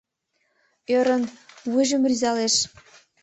Ӧрын, вуйжым рӱзалеш: